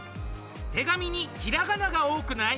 手紙にひらがなが多くない？